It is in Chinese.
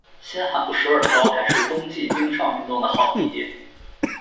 新罕布什尔州还是冬季冰上运动的好地点。